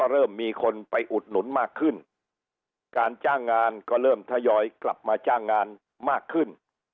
เริ่มมีคนไปอุดหนุนมากขึ้นการจ้างงานก็เริ่มทยอยกลับมาจ้างงานมากขึ้น